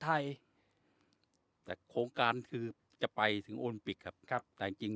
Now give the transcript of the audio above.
ไทยแต่โครงการคือจะไปถึงโอลิมปิกครับครับแต่จริงจริง